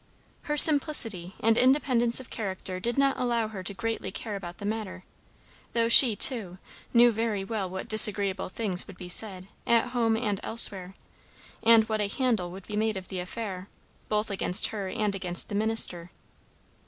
Her simplicity and independence of character did not allow her to greatly care about the matter; though she, too, knew very well what disagreeable things would be said, at home and elsewhere, and what a handle would be made of the affair, both against her and against the minister.